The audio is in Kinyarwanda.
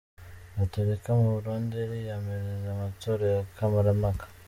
Gatolika mu Burundi iriyamiriza amatora ya kamarampaka.